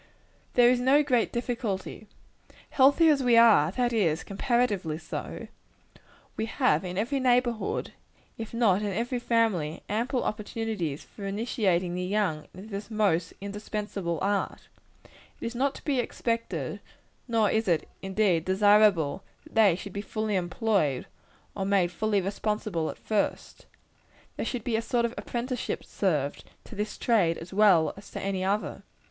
There is no great difficulty in the case. Healthy as we are that is, comparatively so we have in every neighborhood, if not in every family, ample opportunities for initiating the young into this most indispensable art. It is not expected, nor is it indeed desirable, that they should be fully employed, or made fully responsible, at first. There should be a sort of apprenticeship served, to this trade as well as to any other.